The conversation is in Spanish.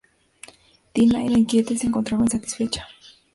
Tina era inquieta y se encontraba insatisfecha.